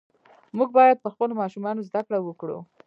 موږ باید پر خپلو ماشومانو زده کړه وکړو .